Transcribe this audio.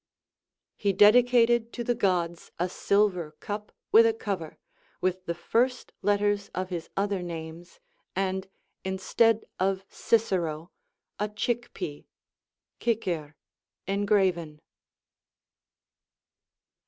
He dedicated to the Gods a silver cup with a cover, with the first letters of his other names, and instead of Cicero a chick pea (cicer) engraven.